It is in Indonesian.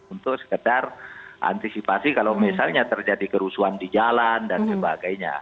untuk sekedar antisipasi kalau misalnya terjadi kerusuhan di jalan dan sebagainya